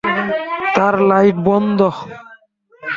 তার লাইট বন্ধ।